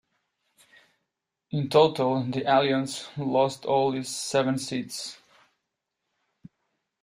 In total, the Alliance lost all its seven seats.